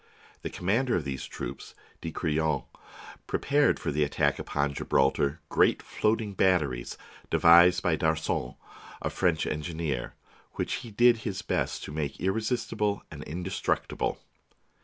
The commander of these troops, De Crillon, prepared for the attack upon Gibraltar great floating batteries, devised by D'Arcon, a French engineer, which he did his best to make irresistible and indestructible.